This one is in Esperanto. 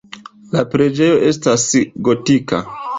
La preĝejo estas gotika.